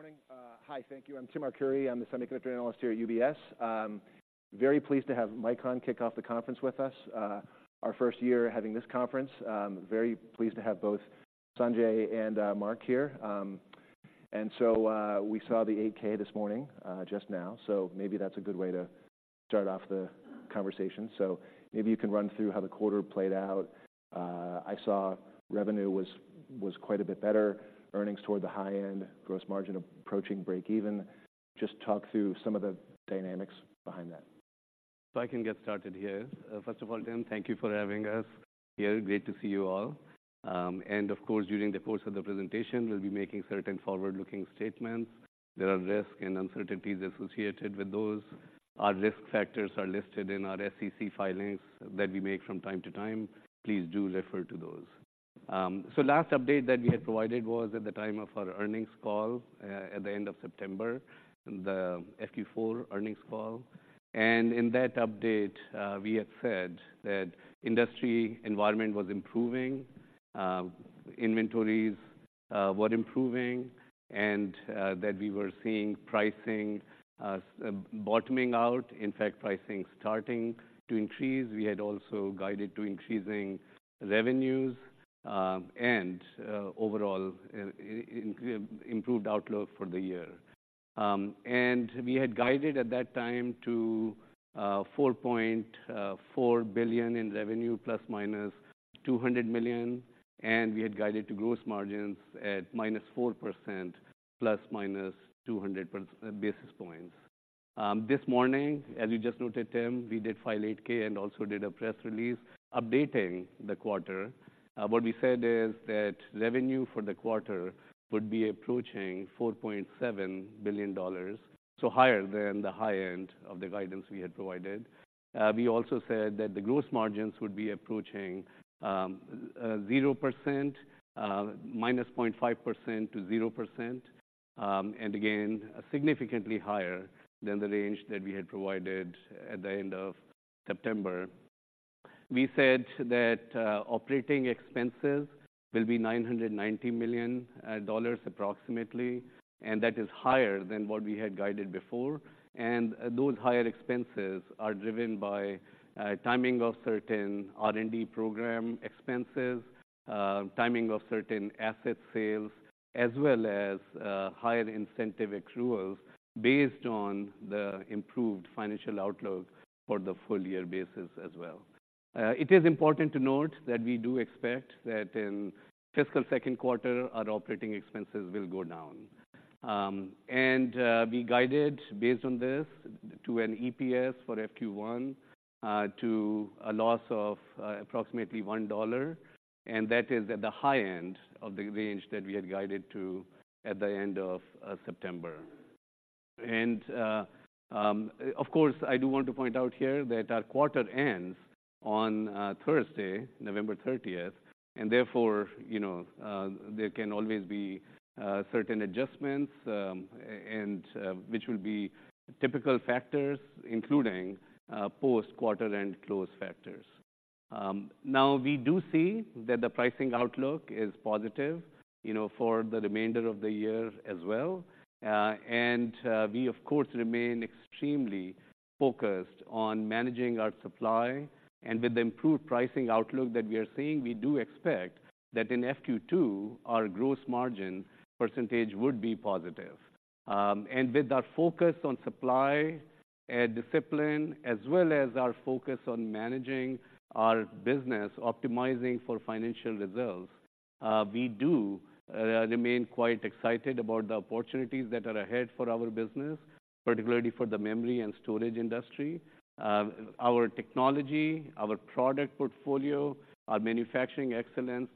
Morning. Hi, thank you. I'm Tim Arcuri. I'm the Semiconductor Analyst here at UBS. Very pleased to have Micron kick off the conference with us. Our first year having this conference. Very pleased to have both Sanjay and Mark here. And so, we saw the 8-K this morning, just now, so maybe that's a good way to start off the conversation. So maybe you can run through how the quarter played out. I saw revenue was quite a bit better, earnings toward the high end, gross margin approaching break even. Just talk through some of the dynamics behind that. I can get started here. First of all, Tim, thank you for having us here. Great to see you all. And of course, during the course of the presentation, we'll be making certain forward-looking statements. There are risks and uncertainties associated with those. Our risk factors are listed in our SEC filings that we make from time to time. Please do refer to those. So last update that we had provided was at the time of our earnings call, at the end of September, the FQ4 earnings call. And in that update, we had said that industry environment was improving, inventories were improving, and that we were seeing pricing bottoming out. In fact, pricing starting to increase. We had also guided to increasing revenues, and overall, improved outlook for the year. And we had guided at that time to $4.4 billion in revenue ± $200 million, and we had guided to gross margins at -4% ± 200 basis points. This morning, as you just noted, Tim, we did file 8-K and also did a press release updating the quarter. What we said is that revenue for the quarter would be approaching $4.7 billion, so higher than the high end of the guidance we had provided. We also said that the gross margins would be approaching -0.5%-0%. And again, significantly higher than the range that we had provided at the end of September. We said that operating expenses will be $990 million approximately, and that is higher than what we had guided before. And those higher expenses are driven by timing of certain R&D program expenses, timing of certain asset sales, as well as higher incentive accruals based on the improved financial outlook for the full year basis as well. It is important to note that we do expect that in fiscal second quarter, our operating expenses will go down. And we guided based on this, to an EPS for FQ1 to a loss of approximately $1, and that is at the high end of the range that we had guided to at the end of September. Of course, I do want to point out here that our quarter ends on Thursday, November 30, and therefore, you know, there can always be certain adjustments, and which will be typical factors, including post-quarter end close factors. Now, we do see that the pricing outlook is positive, you know, for the remainder of the year as well. And we of course remain extremely focused on managing our supply. And with the improved pricing outlook that we are seeing, we do expect that in FQ2, our gross margin percentage would be positive. And with our focus on supply and discipline, as well as our focus on managing our business, optimizing for financial results, we do remain quite excited about the opportunities that are ahead for our business, particularly for the memory and storage industry. Our technology, our product portfolio, our manufacturing excellence,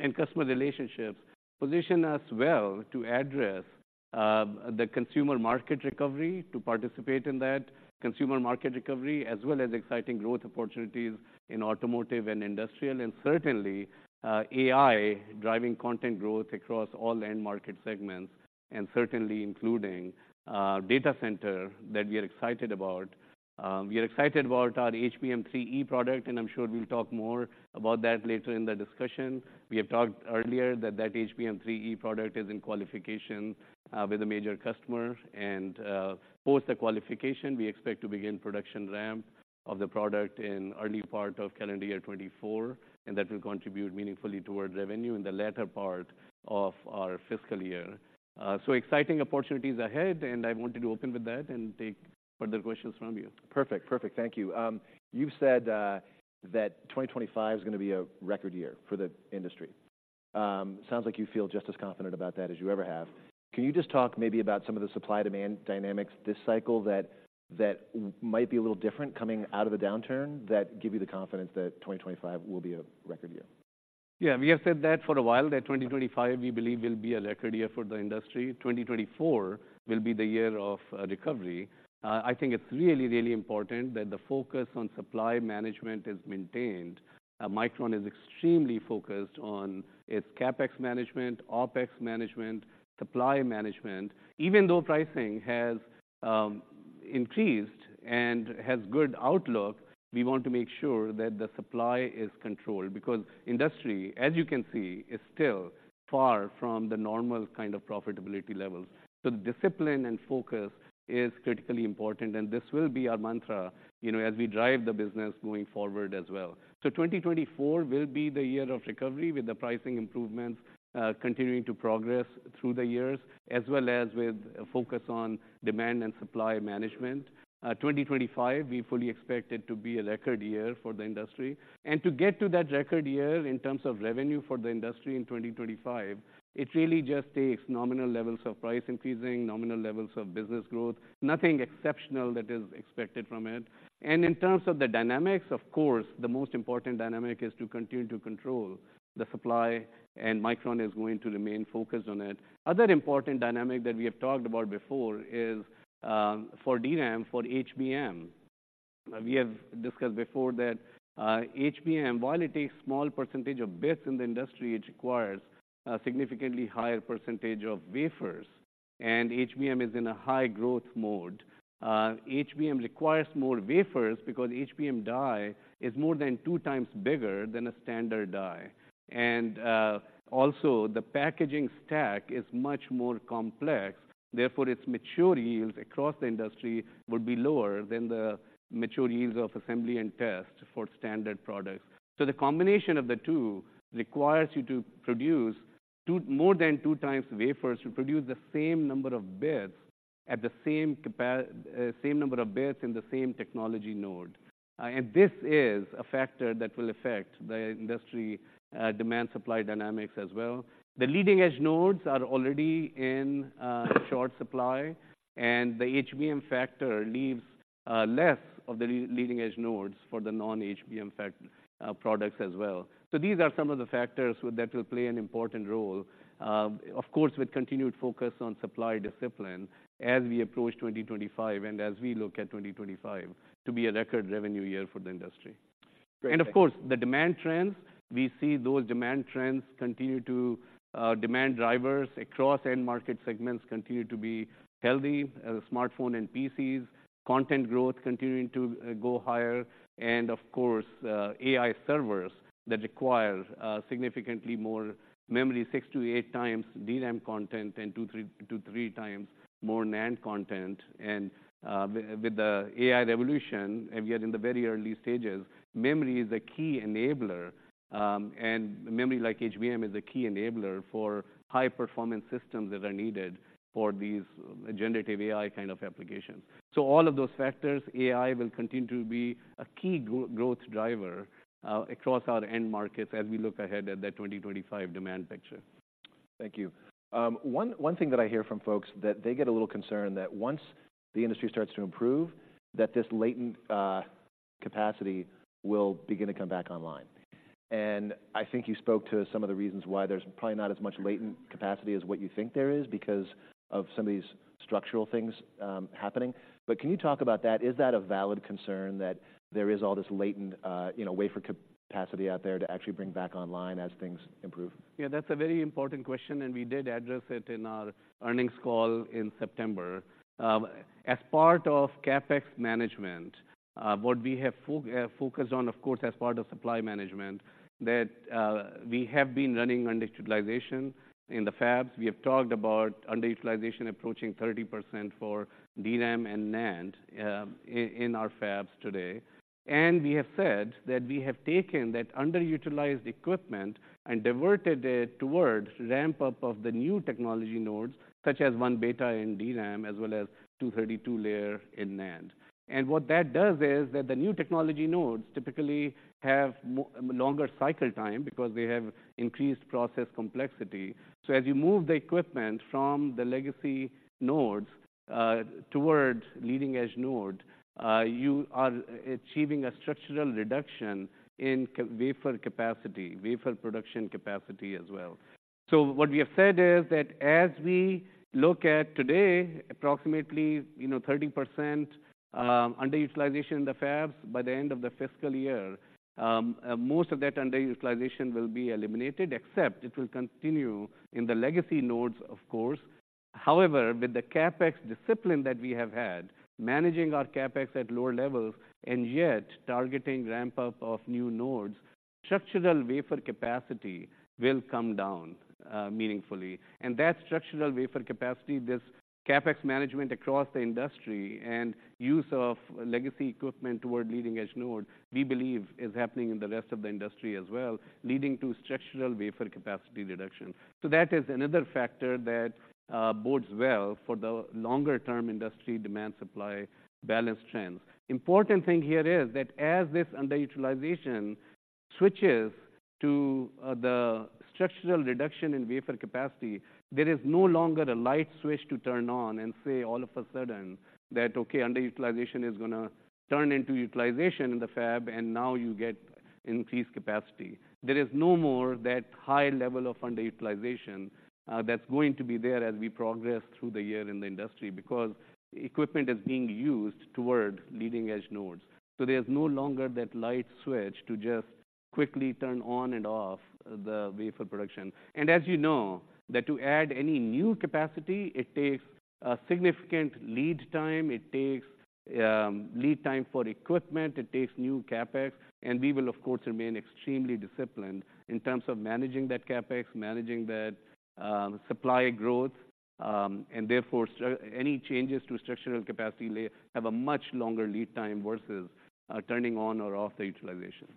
and customer relationships position us well to address the consumer market recovery, to participate in that consumer market recovery, as well as exciting growth opportunities in automotive and industrial, and certainly AI, driving content growth across all end market segments, and certainly including data center that we are excited about. We are excited about our HBM3E product, and I'm sure we'll talk more about that later in the discussion. We have talked earlier that that HBM3E product is in qualification with a major customer, and post the qualification, we expect to begin production ramp of the product in early part of calendar year 2024, and that will contribute meaningfully towards revenue in the latter part of our fiscal year. Exciting opportunities ahead, and I wanted to open with that and take further questions from you. Perfect. Perfect. Thank you. You've said that 2025 is gonna be a record year for the industry. Sounds like you feel just as confident about that as you ever have. Can you just talk maybe about some of the supply-demand dynamics this cycle, that might be a little different coming out of the downturn, that give you the confidence that 2025 will be a record year? Yeah, we have said that for a while, that 2025, we believe, will be a record year for the industry. 2024 will be the year of recovery. I think it's really, really important that the focus on supply management is maintained. Micron is extremely focused on its CapEx management, OpEx management, supply management, even though pricing has increased and has good outlook, we want to make sure that the supply is controlled, because industry, as you can see, is still far from the normal kind of profitability levels. So discipline and focus is critically important, and this will be our mantra, you know, as we drive the business going forward as well. So 2024 will be the year of recovery, with the pricing improvements continuing to progress through the years, as well as with a focus on demand and supply management. 2025, we fully expect it to be a record year for the industry. To get to that record year in terms of revenue for the industry in 2025, it really just takes nominal levels of price increasing, nominal levels of business growth, nothing exceptional that is expected from it. In terms of the dynamics, of course, the most important dynamic is to continue to control the supply, and Micron is going to remain focused on it. Other important dynamic that we have talked about before is for DRAM, for HBM. We have discussed before that HBM, while it takes small percentage of bits in the industry, it requires a significantly higher percentage of wafers, and HBM is in a high growth mode. HBM requires more wafers because HBM die is more than 2x bigger than a standard die. Also, the packaging stack is much more complex, therefore, its mature yields across the industry will be lower than the mature yields of assembly and test for standard products. So the combination of the two requires you to produce more than 2x wafers to produce the same number of bits at the same same number of bits in the same technology node. And this is a factor that will affect the industry, demand, supply dynamics as well. The leading-edge nodes are already in short supply, and the HBM factor leaves less of the leading-edge nodes for the non-HBM products as well. So these are some of the factors which will play an important role, of course, with continued focus on supply discipline as we approach 2025 and as we look at 2025 to be a record revenue year for the industry. Great. Of course, the demand trends, we see those demand trends continue to. Demand drivers across end market segments continue to be healthy, smartphone and PCs, content growth continuing to go higher, and of course, AI servers that require significantly more memory, 6-8x DRAM content and 2-3x to 3x more NAND content. And, with the AI revolution, and we are in the very early stages, memory is a key enabler, and memory like HBM is a key enabler for high-performance systems that are needed for these generative AI kind of applications. So all of those factors, AI will continue to be a key growth driver, across our end markets as we look ahead at the 2025 demand picture. Thank you. One thing that I hear from folks is that they get a little concerned that once the industry starts to improve, that this latent capacity will begin to come back online. I think you spoke to some of the reasons why there's probably not as much latent capacity as you think there is, because of some of these structural things happening. But can you talk about that? Is that a valid concern, that there is all this latent, you know, wafer capacity out there to actually bring back online as things improve? Yeah, that's a very important question, and we did address it in our earnings call in September. As part of CapEx management, what we have focused on, of course, as part of supply management, we have been running underutilization in the fabs. We have talked about underutilization approaching 30% for DRAM and NAND in our fabs today. We have said that we have taken that underutilized equipment and diverted it towards ramp-up of the new technology nodes, such as 1-beta and DRAM, as well as 232-layer in NAND. What that does is the new technology nodes typically have longer cycle time because they have increased process complexity. So as you move the equipment from the legacy nodes, towards leading-edge node, you are achieving a structural reduction in wafer capacity, wafer production capacity as well. So what we have said is that as we look at today, approximately, you know, 30% underutilization in the fabs, by the end of the fiscal year, most of that underutilization will be eliminated, except it will continue in the legacy nodes, of course. However, with the CapEx discipline that we have had, managing our CapEx at lower levels and yet targeting ramp-up of new nodes, structural wafer capacity will come down, meaningfully. And that structural wafer capacity, this CapEx management across the industry and use of legacy equipment toward leading-edge node, we believe is happening in the rest of the industry as well, leading to structural wafer capacity reduction. So that is another factor that bodes well for the longer-term industry demand-supply balance trends. Important thing here is that as this underutilization switches to the structural reduction in wafer capacity, there is no longer a light switch to turn on and say, all of a sudden, that, "Okay, underutilization is gonna turn into utilization in the fab, and now you get increased capacity." There is no more that high level of underutilization that's going to be there as we progress through the year in the industry, because equipment is being used toward leading-edge nodes. So there's no longer that light switch to just quickly turn on and off the wafer production. And as you know, that to add any new capacity, it takes a significant lead time. It takes lead time for equipment, it takes new CapEx, and we will, of course, remain extremely disciplined in terms of managing that CapEx, managing that supply growth. And therefore, any changes to structural capacity lay have a much longer lead time versus turning on or off the utilization.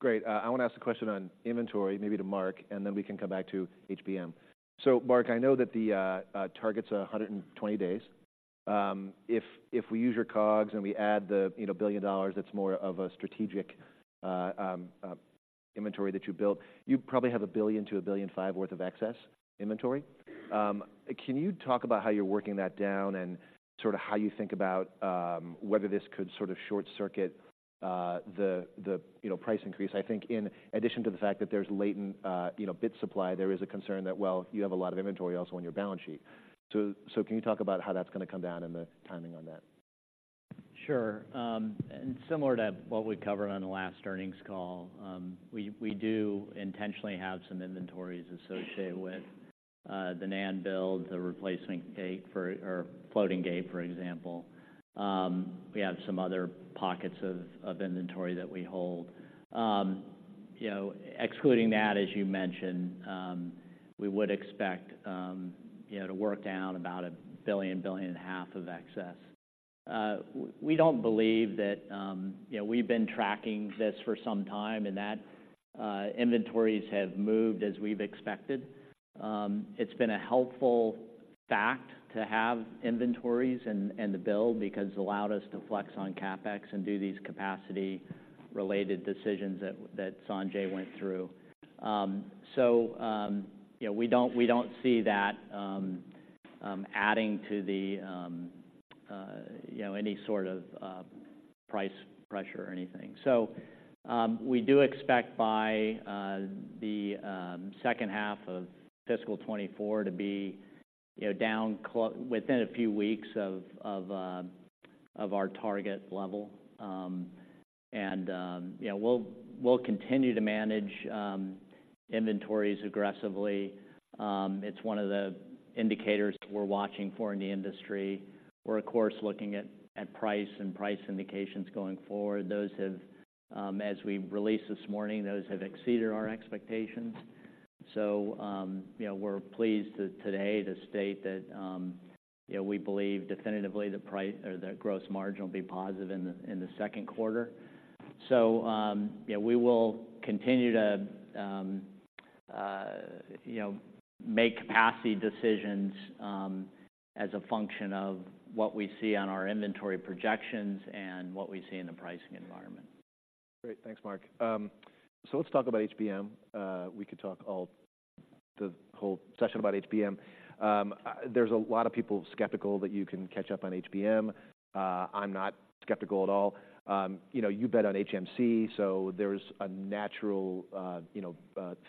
Great. I want to ask a question on inventory, maybe to Mark, and then we can come back to HBM. So Mark, I know that the target's 120 days. If we use your COGS and we add the, you know, $1 billion, that's more of a strategic inventory that you built, you probably have $1 billion-$1.5 billion worth of excess inventory. Can you talk about how you're working that down and sort of how you think about whether this could sort of short-circuit the price increase? I think in addition to the fact that there's latent, you know, bit supply, there is a concern that, well, you have a lot of inventory also on your balance sheet. So, can you talk about how that's gonna come down and the timing on that? Sure. And similar to what we covered on the last earnings call, we do intentionally have some inventories associated with the NAND build, the replacement gate for or floating gate, for example. We have some other pockets of inventory that we hold. You know, excluding that, as you mentioned, we would expect, you know, to work down about $1.5 billion of excess. We don't believe that... You know, we've been tracking this for some time, and that inventories have moved as we've expected. It's been a helpful fact to have inventories and the build because it allowed us to flex on CapEx and do these capacity-related decisions that Sanjay went through. So, you know, we don't, we don't see that adding to the, you know, any sort of price pressure or anything. So, we do expect by the second half of fiscal 2024 to be, you know, within a few weeks of our target level. And, you know, we'll, we'll continue to manage inventories aggressively. It's one of the indicators we're watching for in the industry. We're of course looking at price and price indications going forward. Those have, as we released this morning, those have exceeded our expectations. So, you know, we're pleased today to state that, you know, we believe definitively the price or the gross margin will be positive in the second quarter. So, you know, we will continue to, you know, make capacity decisions as a function of what we see on our inventory projections and what we see in the pricing environment. Great. Thanks, Mark. So let's talk about HBM. We could talk the whole session about HBM. There's a lot of people skeptical that you can catch up on HBM. I'm not skeptical at all. You know, you bet on HMC, so there's a natural, you know,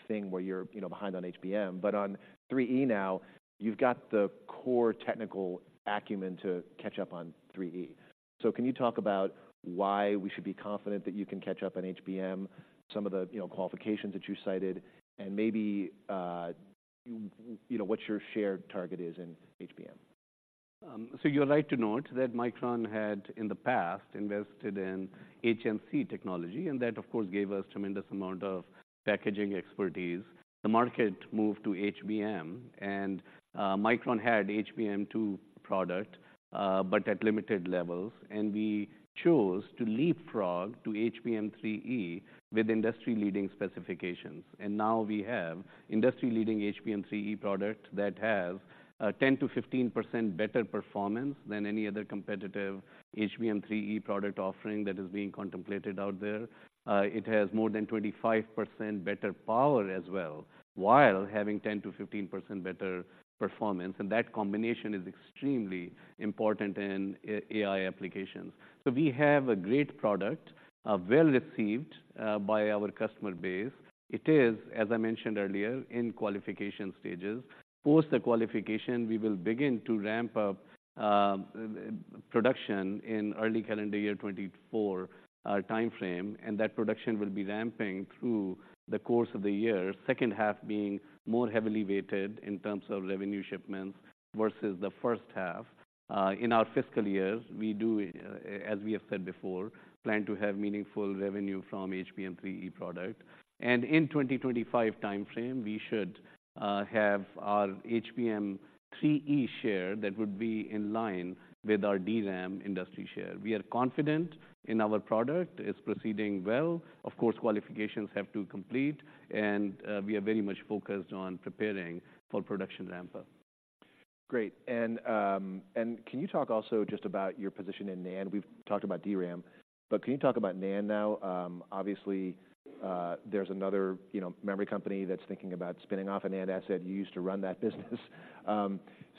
thing where you're, you know, behind on HBM. But on 3E now, you've got the core technical acumen to catch up on 3E. So can you talk about why we should be confident that you can catch up on HBM, some of the, you know, qualifications that you cited, and maybe, you know, what your share target is in HBM? So you're right to note that Micron had, in the past, invested in HMC technology, and that, of course, gave us tremendous amount of packaging expertise. The market moved to HBM, and Micron had HBM2 product, but at limited levels, and we chose to leapfrog to HBM3E with industry-leading specifications. And now we have industry-leading HBM3E product that has a 10%-15% better performance than any other competitive HBM3E product offering that is being contemplated out there. It has more than 25% better power as well, while having 10%-15% better performance, and that combination is extremely important in AI applications. So we have a great product, well-received, by our customer base. It is, as I mentioned earlier, in qualification stages. Post the qualification, we will begin to ramp up production in early calendar year 2024 timeframe, and that production will be ramping through the course of the year, second half being more heavily weighted in terms of revenue shipments versus the first half. In our fiscal years, we do, as we have said before, plan to have meaningful revenue from HBM3E product. And in 2025 timeframe, we should have our HBM3E share that would be in line with our DRAM industry share. We are confident in our product. It's proceeding well. Of course, qualifications have to complete, and we are very much focused on preparing for production ramp-up. Great. And, and can you talk also just about your position in NAND? We've talked about DRAM, but can you talk about NAND now? Obviously, there's another, you know, memory company that's thinking about spinning off a NAND asset. You used to run that business.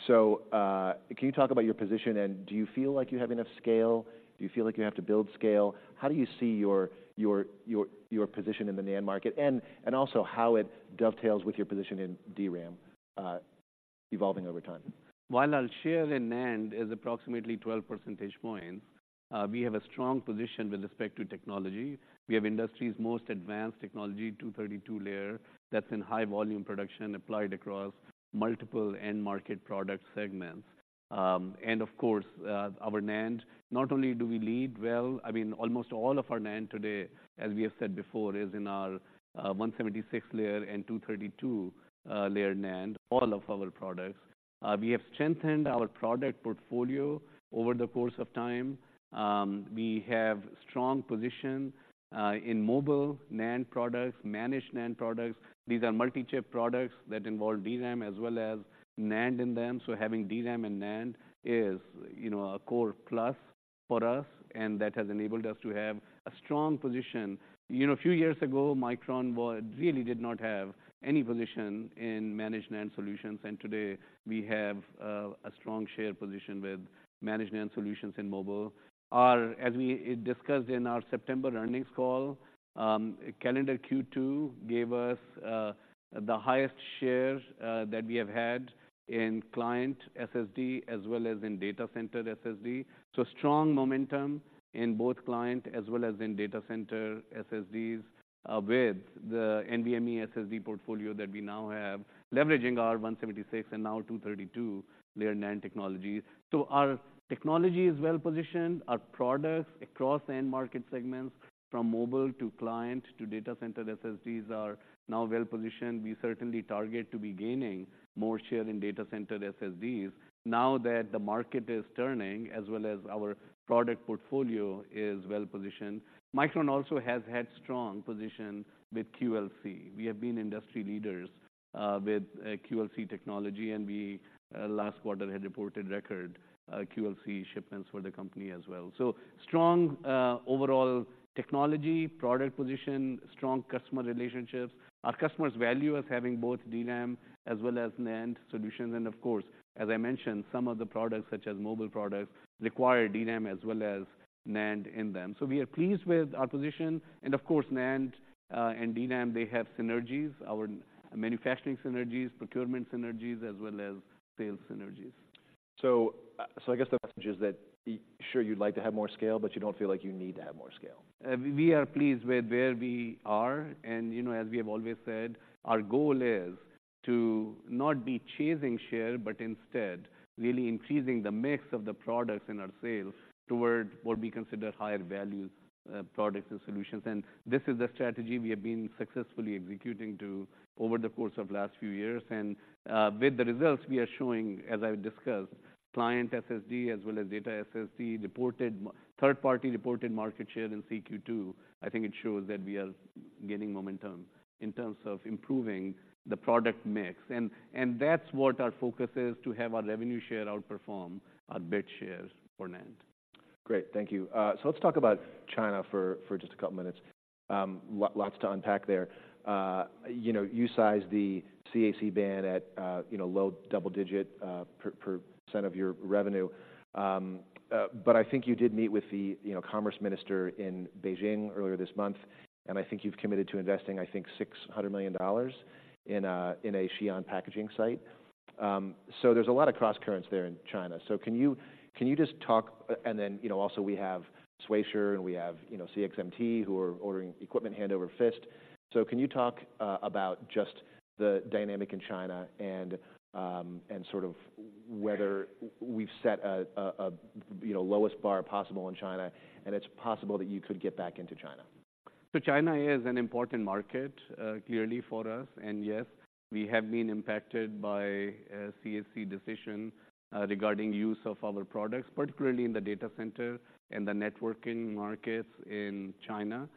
So, can you talk about your position, and do you feel like you have enough scale? Do you feel like you have to build scale? How do you see your position in the NAND market, and, and also how it dovetails with your position in DRAM... evolving over time. While our share in NAND is approximately 12 percentage points, we have a strong position with respect to technology. We have industry's most advanced technology, 232-layer, that's in high volume production, applied across multiple end market product segments. And of course, our NAND, not only do we lead well, I mean, almost all of our NAND today, as we have said before, is in our 176-layer and 232-layer NAND, all of our products. We have strengthened our product portfolio over the course of time. We have strong position in mobile NAND products, managed NAND products. These are multi-chip products that involve DRAM as well as NAND in them. So having DRAM and NAND is, you know, a core plus for us, and that has enabled us to have a strong position. You know, a few years ago, Micron was really did not have any position in managed NAND solutions, and today we have a strong share position with managed NAND solutions in mobile. Our, as we discussed in our September earnings call, calendar Q2 gave us the highest share that we have had in client SSD, as well as in data center SSD. So strong momentum in both client as well as in data center SSDs with the NVMe SSD portfolio that we now have, leveraging our 176- and 232-layer NAND technologies. So our technology is well positioned. Our products across end market segments, from mobile to client to data center SSDs, are now well positioned. We certainly target to be gaining more share in data center SSDs. Now that the market is turning, as well as our product portfolio is well positioned, Micron also has had strong position with QLC. We have been industry leaders with QLC technology, and we last quarter had reported record QLC shipments for the company as well. So strong overall technology, product position, strong customer relationships. Our customers value us having both DRAM as well as NAND solutions, and of course, as I mentioned, some of the products, such as mobile products, require DRAM as well as NAND in them. So we are pleased with our position, and of course, NAND and DRAM, they have synergies, our manufacturing synergies, procurement synergies, as well as sales synergies. So, I guess the message is that, sure, you'd like to have more scale, but you don't feel like you need to have more scale. We are pleased with where we are, and, you know, as we have always said, our goal is to not be chasing share, but instead really increasing the mix of the products in our sales towards what we consider higher value, products and solutions. And this is the strategy we have been successfully executing to over the course of last few years. And, with the results we are showing, as I discussed, client SSD as well as data SSD, reported third-party reported market share in Q2, I think it shows that we are gaining momentum in terms of improving the product mix. And that's what our focus is, to have our revenue share outperform our bit shares for NAND. Great. Thank you. So let's talk about China for just a couple minutes. Lots to unpack there. You know, you sized the CAC ban at, you know, low double-digit percent of your revenue. But I think you did meet with the commerce minister in Beijing earlier this month, and I think you've committed to investing, I think, $600 million in a Xi'an packaging site. So there's a lot of crosscurrents there in China. So can you just talk... And then, you know, also we have YMTC, and we have, you know, CXMT, who are ordering equipment hand over fist. So can you talk about just the dynamic in China and sort of whether we've set a you know lowest bar possible in China, and it's possible that you could get back into China? So China is an important market, clearly for us, and yes, we have been impacted by a CAC decision, regarding use of our products, particularly in the data center and the networking markets in China.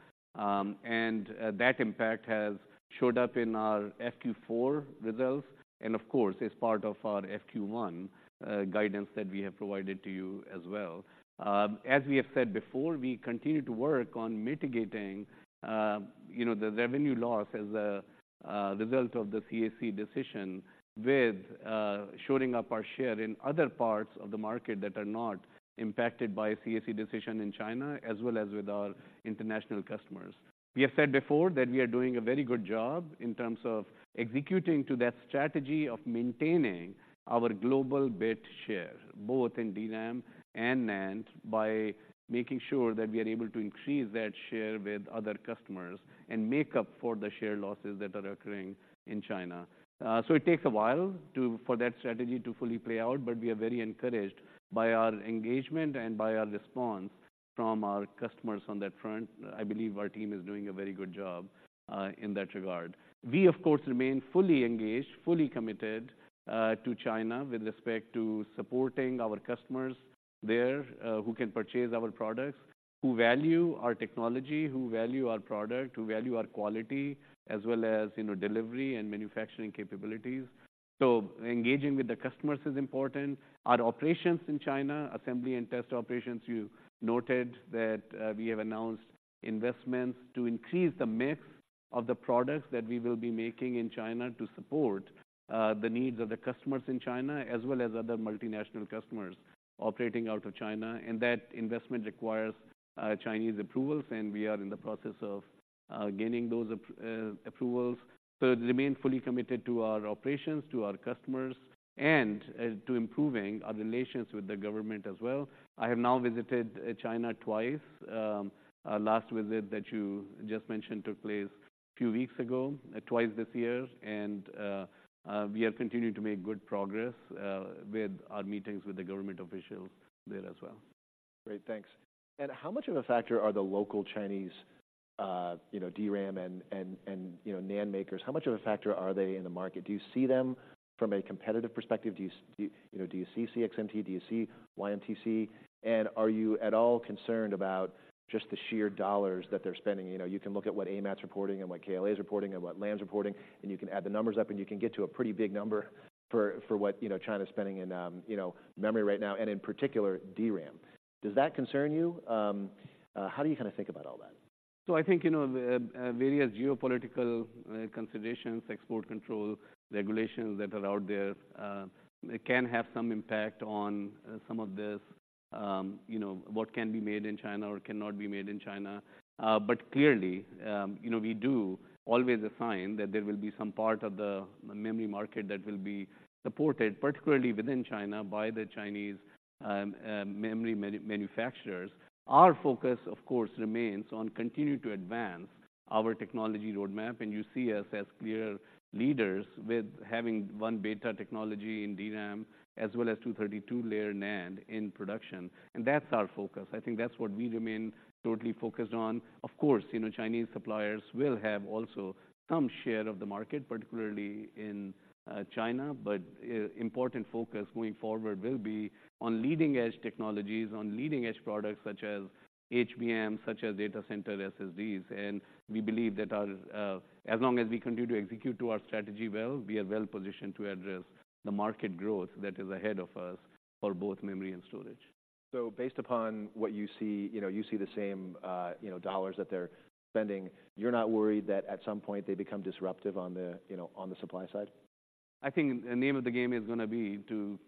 And that impact has showed up in our FQ four results, and of course, is part of our FQ1 guidance that we have provided to you as well. As we have said before, we continue to work on mitigating, you know, the revenue loss as a result of the CAC decision with shoring up our share in other parts of the market that are not impacted by a CAC decision in China, as well as with our international customers. We have said before that we are doing a very good job in terms of executing to that strategy of maintaining our global bit share, both in DRAM and NAND, by making sure that we are able to increase that share with other customers and make up for the share losses that are occurring in China. So it takes a while for that strategy to fully play out, but we are very encouraged by our engagement and by our response from our customers on that front. I believe our team is doing a very good job in that regard. We, of course, remain fully engaged, fully committed to China with respect to supporting our customers there, who can purchase our products, who value our technology, who value our product, who value our quality, as well as, you know, delivery and manufacturing capabilities. So engaging with the customers is important. Our operations in China, assembly and test operations, you noted that, we have announced investments to increase the mix of the products that we will be making in China to support the needs of the customers in China, as well as other multinational customers operating out of China. And that investment requires Chinese approvals, and we are in the process of gaining those approvals. So we remain fully committed to our operations, to our customers, and to improving our relations with the government as well. I have now visited China twice this year. Our last visit that you just mentioned took place a few weeks ago. We have continued to make good progress with our meetings with the government officials there as well. Great, thanks. And how much of a factor are the local Chinese, you know, DRAM and, you know, NAND makers? How much of a factor are they in the market? Do you see them from a competitive perspective? Do you, you know, do you see CXMT, do you see YMTC? And are you at all concerned about just the sheer dollars that they're spending? You know, you can look at what AMAT's reporting and what KLA's reporting and what Lam's reporting, and you can add the numbers up, and you can get to a pretty big number for, for what, you know, China's spending in, you know, memory right now, and in particular, DRAM. Does that concern you? How do you kinda think about all that? So I think, you know, the various geopolitical considerations, export control regulations that are out there, it can have some impact on some of this, you know, what can be made in China or cannot be made in China. But clearly, you know, we do always assign that there will be some part of the memory market that will be supported, particularly within China, by the Chinese memory manufacturers. Our focus, of course, remains on continuing to advance our technology roadmap, and you see us as clear leaders with having 1 beta technology in DRAM, as well as 232-layer NAND in production, and that's our focus. I think that's what we remain totally focused on. Of course, you know, Chinese suppliers will have also some share of the market, particularly in China. But important focus going forward will be on leading-edge technologies, on leading-edge products such as HBM, such as data center SSDs, and we believe that our. As long as we continue to execute to our strategy well, we are well positioned to address the market growth that is ahead of us for both memory and storage. Based upon what you see, you know, you see the same, you know, dollars that they're spending, you're not worried that at some point they become disruptive on the, you know, on the supply side? I think the name of the game is gonna be to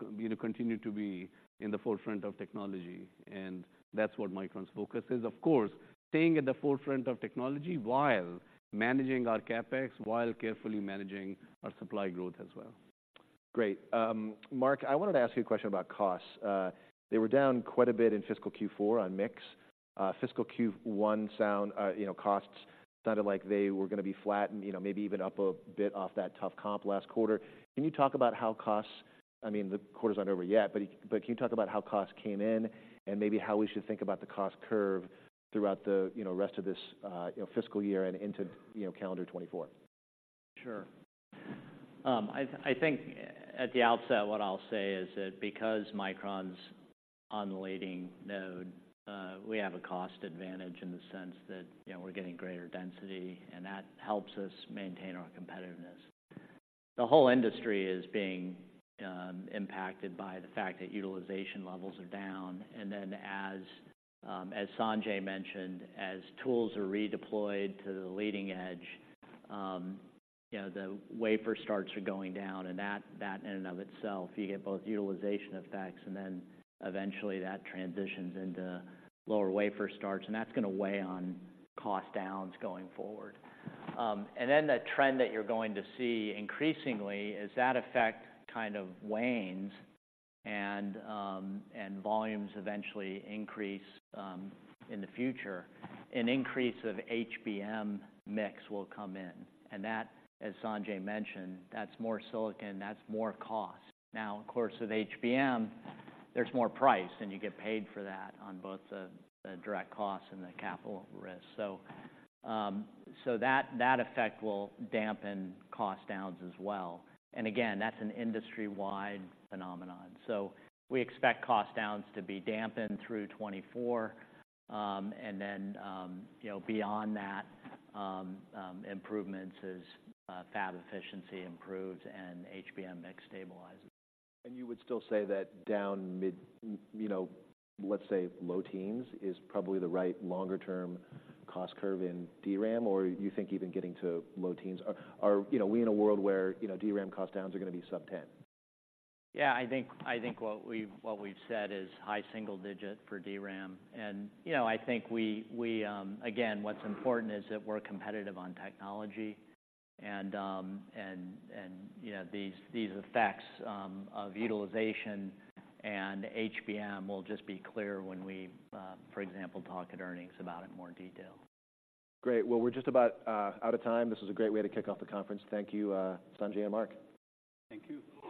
continue to be in the forefront of technology, and that's what Micron's focus is. Of course, staying at the forefront of technology while managing our CapEx, while carefully managing our supply growth as well. Great. Mark, I wanted to ask you a question about costs. They were down quite a bit in fiscal Q4 on mix. Fiscal Q1 sounded like they were gonna be flat and, you know, maybe even up a bit off that tough comp last quarter. Can you talk about how costs... I mean, the quarter's not over yet, but, but can you talk about how costs came in, and maybe how we should think about the cost curve throughout the, you know, rest of this, you know, fiscal year and into, you know, calendar 2024? Sure. I think at the outset, what I'll say is that because Micron's on the leading node, we have a cost advantage in the sense that, you know, we're getting greater density, and that helps us maintain our competitiveness. The whole industry is being impacted by the fact that utilization levels are down, and then as Sanjay mentioned, as tools are redeployed to the leading edge, you know, the wafer starts are going down, and that in and of itself, you get both utilization effects and then eventually that transitions into lower wafer starts, and that's gonna weigh on cost downs going forward. And then the trend that you're going to see increasingly as that effect kind of wanes and volumes eventually increase in the future, an increase of HBM mix will come in. That, as Sanjay mentioned, that's more silicon, that's more cost. Now, of course, with HBM, there's more price, and you get paid for that on both the, the direct costs and the capital risk. So, so that, that effect will dampen cost downs as well. And again, that's an industry-wide phenomenon. So we expect cost downs to be dampened through 2024, and then, you know, beyond that, improvements as, fab efficiency improves and HBM mix stabilizes. You would still say that down mid, you know, let's say low teens is probably the right longer term cost curve in DRAM, or you think even getting to low teens? Are, you know, we in a world where, you know, DRAM cost downs are gonna be subten? Yeah, I think what we've said is high single digit for DRAM, and you know, I think again, what's important is that we're competitive on technology and, you know, these effects of utilization and HBM will just be clear when we, for example, talk at earnings about it in more detail. Great. Well, we're just about out of time. This was a great way to kick off the conference. Thank you, Sanjay and Mark. Thank you.